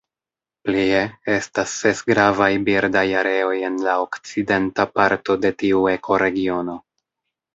Plie, estas ses Gravaj birdaj areoj en la okcidenta parto de tiu ekoregiono.